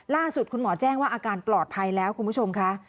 ล่าสุดคุณหมอแจ้งว่าอาการปลอดภัยแล้วคุณผู้ชมค่ะ